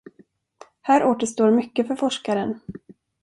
Här återstår mycket för forskaren.